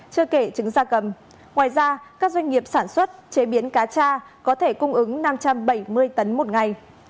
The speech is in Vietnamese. chưa kể trứng gia cầm ngoài ra các doanh nghiệp sản xuất chế biến cá cha có thể cung ứng năm trăm bảy mươi tấn một ngày